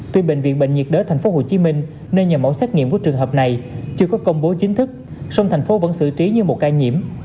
tuy bệnh viện bệnh nhiệt đới tp hcm nên nhiều mẫu xét nghiệm của trường hợp này chưa có công bố chính thức song thành phố vẫn xử trí như một ca nhiễm